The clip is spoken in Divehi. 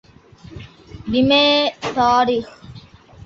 ނިމޭ ތާރީޚު